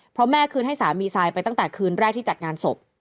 เพราะแม่คืนให้สามีทรายไปตั้งแต่คืนแรกที่จัดงานศพ